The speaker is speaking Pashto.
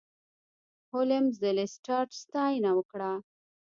هولمز د لیسټرډ ستاینه وکړه.